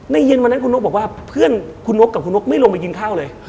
เย็นวันนั้นคุณนกบอกว่าเพื่อนคุณนกกับคุณนกไม่ลงไปกินข้าวเลย